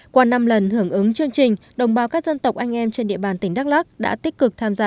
qua năm lần hưởng ứng chương trình đồng bào các dân tộc anh em trên địa bàn tỉnh đắk lắc đã tích cực tham gia